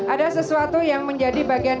ada sesuatu yang menjadi bagian